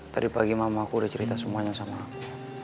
tadi pagi mama aku udah cerita semuanya sama aku